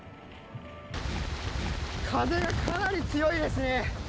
風がかなり強いですね。